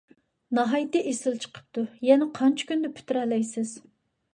ناھايىتى ئېسىل چىقىپتۇ. يەنە قانچە كۈندە پۈتتۈرەلەيسىز؟